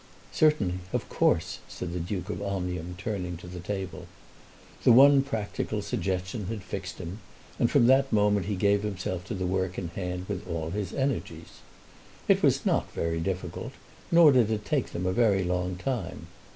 "Certainly; of course," said the Duke of Omnium, turning to the table. The one practical suggestion had fixed him, and from that moment he gave himself to the work in hand with all his energies. It was not very difficult, nor did it take them a very long time.